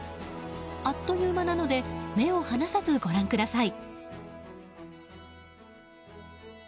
あっという間なので目を離さずご覧ください。